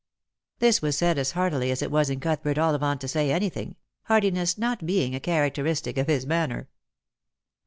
This was said as heartily as it was in Cuthbert Ollivant to say anything — heartiness not being a characteristic of his manner.